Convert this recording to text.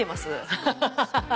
アハハハ。